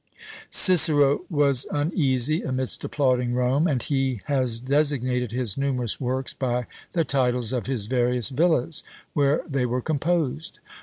Cicero was uneasy amidst applauding Rome, and he has designated his numerous works by the titles of his various villas, where they were composed.